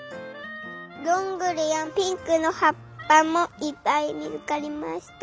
どんぐりやピンクのはっぱもいっぱいみつかりました。